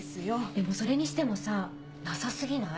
でもそれにしてもさなさ過ぎない？